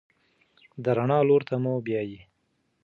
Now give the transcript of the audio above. د رڼا لور ته مو بیايي.